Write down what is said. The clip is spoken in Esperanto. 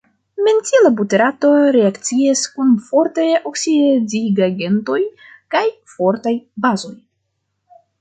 Mentila buterato reakcias kun fortaj oksidigagentoj kaj fortaj bazoj.